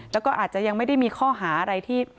แล้วก็อาจจะยังไม่ได้มีข้อหาอะไรที่